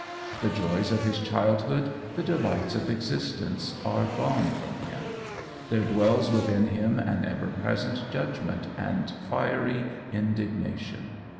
The joys of his childhood, the delights of existence, are gone from him. There dwells within him an ever present judgment and fiery indignation.